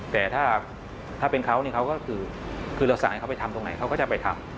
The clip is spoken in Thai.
แต่ถ้าเป็นเขานี่เขาก็คือเราสั่งให้เขาไปทำตรงไหนเขาก็จะไปทำ